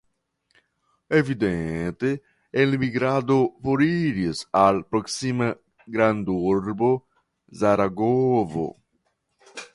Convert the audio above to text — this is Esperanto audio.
Evidente elmigrado foriris al proksima grandurbo Zaragozo.